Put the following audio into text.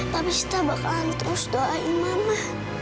tapi setelah bakalan terus doain mama